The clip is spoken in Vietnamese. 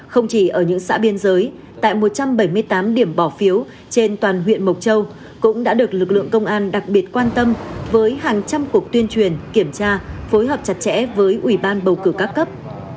không chỉ ở những xã biên giới tại một trăm bảy mươi tám điểm bỏ phiếu trên toàn huyện mộc châu cũng đã được lực lượng công an đặc biệt quan tâm với hàng trăm cuộc tuyên truyền kiểm tra phối hợp chặt chẽ với ủy ban bầu cử các cấp